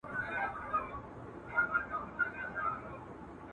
زه هڅه کوم.